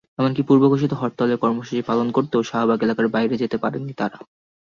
এমনকি পূর্বঘোষিত হরতালের কর্মসূচি পালন করতেও শাহবাগ এলাকার বাইরে যেতে পারেনি তারা।